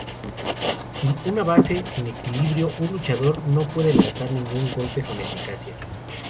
Sin una base, sin equilibrio, un luchador no puede lanzar ningún golpe con eficacia.